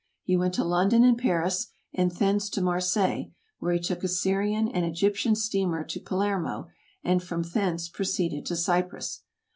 He went to London and Paris, and thence to Marseilles, where he took a Syrian and Egyptian steamer to Palermo, and from thence proceeded to Cyprus.